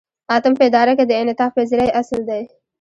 اتم په اداره کې د انعطاف پذیری اصل دی.